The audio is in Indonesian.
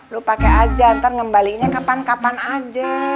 lo pake aja ntar ngembalikinnya kapan kapan aja